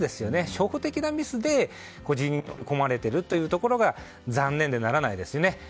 初歩的なミスで追い込まれているというところが残念でならないですね。